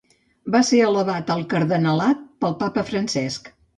Va ser elevat al cardenalat pel Papa Francesc.